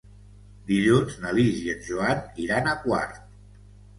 Dilluns na Lis i en Joan iran a Quart.